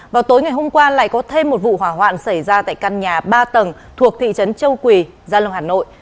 vào tối ngày hôm qua lại có thêm một vụ hỏa hoạn xảy ra tại căn nhà ba tầng thuộc thị trấn châu quỳ gia long hà nội